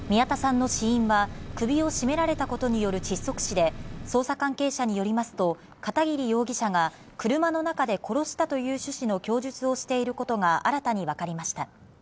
宮田さんの死因は首を絞められたことによる窒息死で、捜査関係者によりますと、片桐容疑者が車の中で殺したという趣旨の供述をしていることが新たに分かりました。